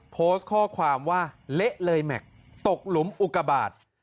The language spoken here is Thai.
โพสต์ข้อความว่าเละเลยแม็กซ์ตกหลุมอุกบาท